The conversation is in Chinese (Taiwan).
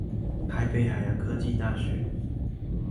台北海洋科技大學